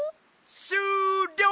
しゅうりょう！